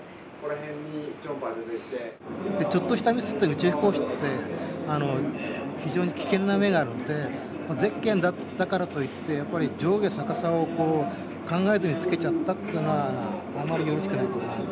ちょっとしたミスっていうのは宇宙飛行士って非常に危険な目があるのでゼッケンだからといって上下逆さを考えずにつけちゃったのはあまりよろしくないかなと。